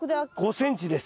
５ｃｍです。